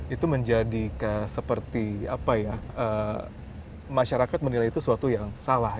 itu menjadi seperti apa ya masyarakat menilai itu sesuatu yang salah